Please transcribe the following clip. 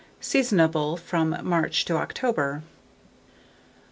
Seasonable from March to October.